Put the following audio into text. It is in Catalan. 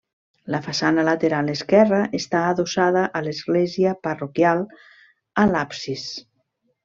La façana lateral esquerra està adossada a l'església parroquial a l'absis.